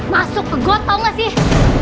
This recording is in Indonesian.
masuk ke goto tau gak sih